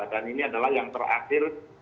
dan ini adalah yang terakhir